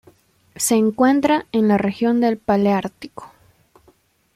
Se encuentra en la región del Paleártico.